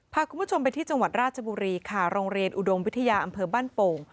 พาคุณผู้ชมไปที่จังหวัดราชบุรีค่ะโรงเรียนอุดมวิทยาอำเภอบ้านโป่ง